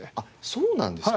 そうなんですか。